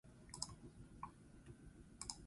Orain edizio berezia jarri dute salgai.